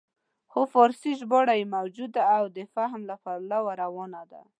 خو فارسي ژباړه یې موجوده او د فهم له پلوه روانه ده.